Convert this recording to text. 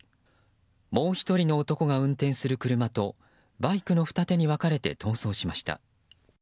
もう１人の男が運転する車とバイクの二手に分かれて逃走しました。